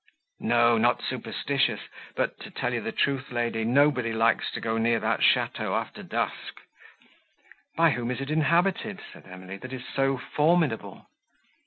"No, not superstitious; but, to tell you the truth, lady, nobody likes to go near that château, after dusk." "By whom is it inhabited," said Emily, "that it is so formidable?"